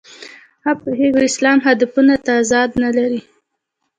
ښه پوهېږو اسلام هدفونو تضاد نه لري.